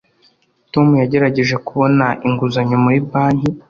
tom yagerageje kubona inguzanyo muri banki